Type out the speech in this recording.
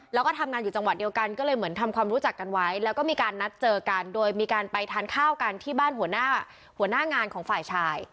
แล้วก็ทำงานอยู่จังหวัดเดียวกันก็เลยเหมือนทำความรู้จักกันไว้แล้วก็มีการนัดเจอกันโดยมีการไปทานข้าวกันที่บ้านหัวหน้างานของฝ่ายชาย